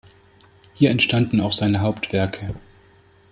Hier entstanden auch seine Hauptwerke.